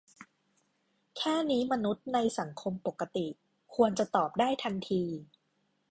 แค่นี้มนุษย์ในสังคมปกติควรจะตอบได้ทันที